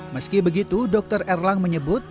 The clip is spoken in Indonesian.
meski begitu dokter erlang menyebut